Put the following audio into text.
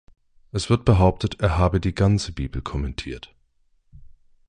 Es wird behauptet, er habe die ganze Bibel kommentiert.